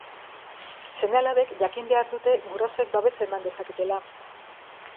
Seme-alabek jakin behar dute gurasoek babesa eman dezaketela.